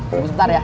tunggu sebentar ya